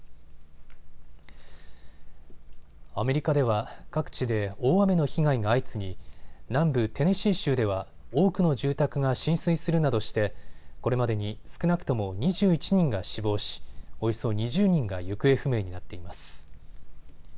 アメリカでは各地で大雨の被害が相次ぎ南部テネシー州では多くの住宅が浸水するなどしてこれまでに少なくとも２１人が死亡し、およそ２０人が行方不明になっています。